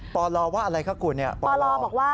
ปอลอว่าอะไรคะคุณปอลอว่าปอลอว่า